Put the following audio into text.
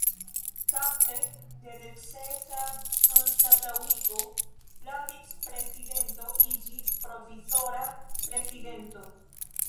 Kaze de necesa anstataŭigo la Vicprezidento iĝis Provizora Prezidento.